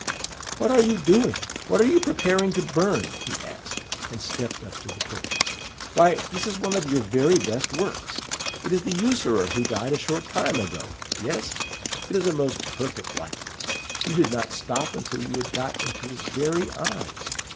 "'What are you doing? What are you preparing to burn?' he asked, and stepped up to the portrait. 'Why, this is one of your very best works. It is the usurer who died a short time ago: yes, it is a most perfect likeness. You did not stop until you had got into his very eyes.